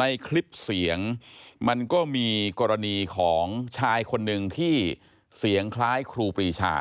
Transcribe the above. ในคลิปเสียงมันก็มีกรณีของชายคนหนึ่งที่เสียงคล้ายครูปรีชา